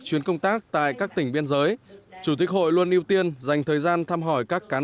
chuyến công tác tại các tỉnh biên giới chủ tịch hội luôn ưu tiên dành thời gian thăm hỏi các cán